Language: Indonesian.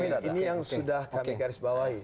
ini yang sudah kami garis bawahi